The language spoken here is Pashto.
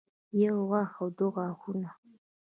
يو غاښ او دوه غاښونه